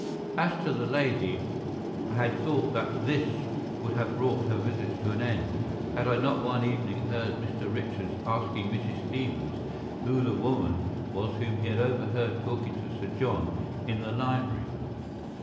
As to the lady, I had thought that this would have brought her visits to an end, had I not one evening heard Mr. Richards asking Mrs. Stevens who the woman was whom he had overheard talking to Sir John in the library.